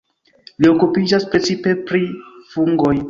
Li okupiĝas precipe pri fungoj.